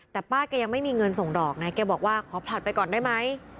แต่ป้าแกยังไม่มีเงินส่งดอกไงแกบอกว่าขอผลัดไปก่อนได้ไหม